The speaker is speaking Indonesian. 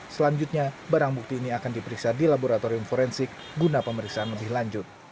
selanjutnya barang bukti ini akan diperiksa di laboratorium forensik guna pemeriksaan lebih lanjut